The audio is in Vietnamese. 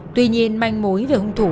tuy nhiên manh mối về hung thủ